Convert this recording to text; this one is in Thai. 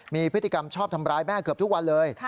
มีพฤติกรรมชอบทำร้ายแม่เกือบทุกวันเลย